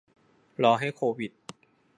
รอให้โควิด